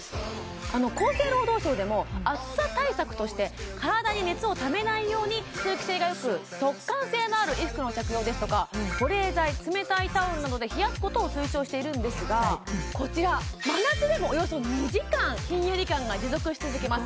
厚生労働省でも暑さ対策として体に熱をためないように通気性がよく速乾性のある衣服の着用ですとか保冷剤冷たいタオルなどで冷やすことを推奨しているんですがこちら真夏でもおよそ２時間ひんやり感が持続し続けます